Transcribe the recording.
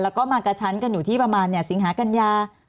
แล้วก็มากระชั้นกันอยู่ที่ประมาณสิงหากัญญา